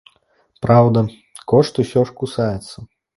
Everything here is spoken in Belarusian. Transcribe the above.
Праўда, кошт усё ж кусаецца.